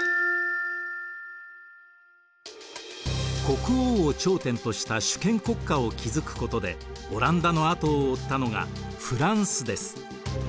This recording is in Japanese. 国王を頂点とした主権国家を築くことでオランダの後を追ったのがフランスです。